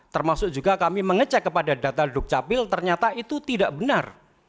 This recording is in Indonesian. termasuk juga kami mengecek kepada data dukcapil ternyata itu tidak benar